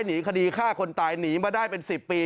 หนีคดีฆ่าคนตายหนีมาได้เป็น๑๐ปี